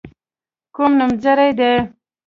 کوم نومځري دي.